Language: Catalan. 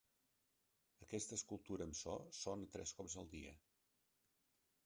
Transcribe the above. Aquesta escultura amb so sona tres cops al dia.